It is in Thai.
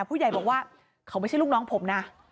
ผู้ใหญ่บอกว่าเขาไม่ใช่ลูกน้องผมนะ